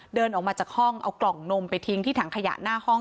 เดินออกมาจากห้องเอากล่องนมไปทิ้งที่ถังขยะหน้าห้อง